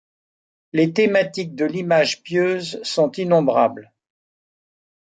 Les thématiques de l'image pieuse sont innombrables.